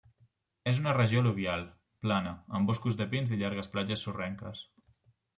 És una regió al·luvial, plana, amb boscs de pins i llargues platges sorrenques.